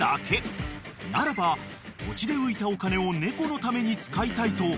［ならば土地で浮いたお金を猫のために使いたいと］